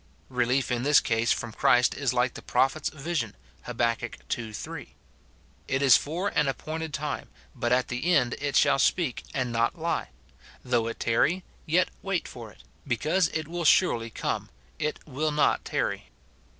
Relief in this case from Christ is like the prophet's vision, Ilab. ii. 3, " It is for an ap SIN IN BELIEVERS. 295 pointed time, but at the end it shall speak, and not lie ; though it tarry, yet wait for it ; because it will surely come, it will not tarry."